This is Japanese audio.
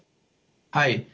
はい。